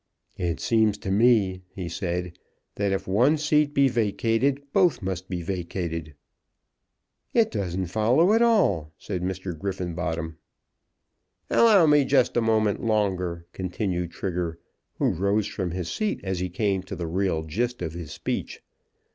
"It seems to me," he said, "that if one seat be vacated, both must be vacated." "It doesn't follow at all," said Mr. Griffenbottom. "Allow me just for a moment longer," continued Trigger, who rose from his seat as he came to the real gist of his speech.